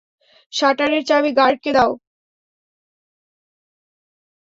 শাটারের চাবি গার্ডকে দাও।